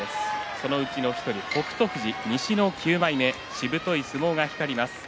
そのうちの１人北勝富士西の９枚目しぶとい相撲が光ります。